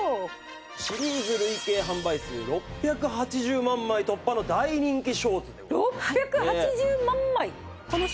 シリーズ累計販売数６８０万枚突破の大人気ショーツでございます。